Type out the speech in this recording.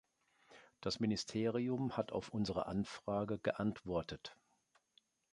Das Ministerium hat auf unsere Anfrage geantwortet.